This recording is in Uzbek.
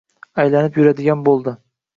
aylanib yuradigan bo'ldi.